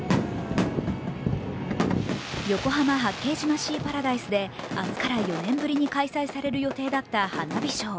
横浜・八景島シーパラダイスで明日から４年ぶりに開催される予定だった花火ショー。